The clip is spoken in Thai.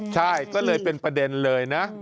ใช่ก็เลยเป็นประเด็นเลยนะ